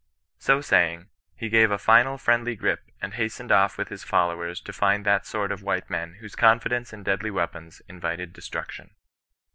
So saying, he gave a final friendly grip and hastened off with his followers to find that sort of white men whose confidence in deadly weapons invited destruction.